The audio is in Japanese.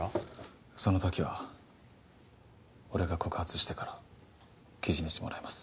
そのときは俺が告発してから記事にしてもらいます。